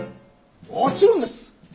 もちろんです！